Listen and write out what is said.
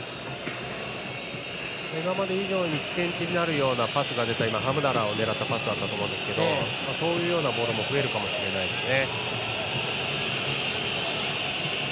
今まで以上に起点になるようなハムダラーを狙ったようなパスだったと思うんですけどそういうボールも増えるかもしれないですね。